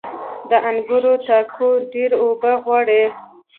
• د انګورو تاکونه ډيرې اوبه غواړي.